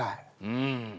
うん。